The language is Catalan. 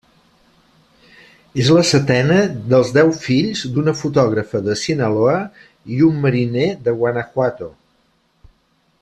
És la setena dels deu fills d'una fotògrafa de Sinaloa i un mariner de Guanajuato.